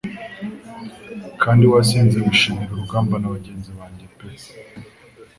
Kandi wasinze wishimira urugamba na bagenzi banjye pe